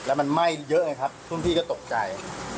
แล้วมันไหม้เยอะไงครับรุ่นพี่ก็ตกใจ